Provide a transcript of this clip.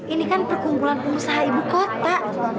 ini kan perkumpulan pengusaha ibu kota